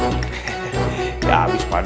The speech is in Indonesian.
hehehe ya abis pak d